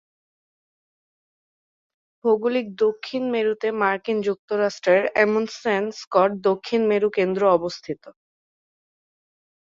ভৌগোলিক দক্ষিণ মেরুতে মার্কিন যুক্তরাষ্ট্রের আমুন্ডসেন-স্কট দক্ষিণ মেরু কেন্দ্র অবস্থিত।